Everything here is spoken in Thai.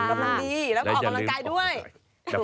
กำลังดีแล้วก็ออกกำลังกายด้วย